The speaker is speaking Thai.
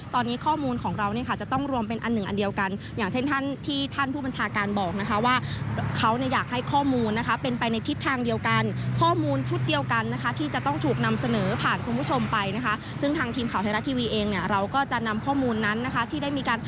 ซึ่งทางทีมเขาไทยรัฐทีวีเองเนี่ยเราก็จะนำข้อมูลนั้นนะค่ะ